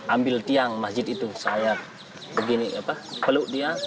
ambil tiang masjid itu saya begini peluk dia